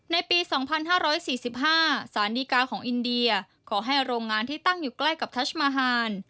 ในปี๒๕๔๕สารดีกาของอินเดียขอให้โรงงานที่ตั้งอยู่ใกล้กับทัชมาฮาน